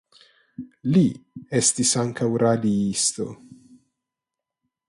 Li estis ankaŭ raliisto.